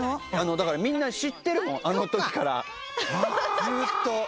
だからみんな知ってるもんあのときからずっと。